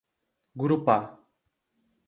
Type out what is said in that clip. Gurupá